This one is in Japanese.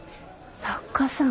作家さん。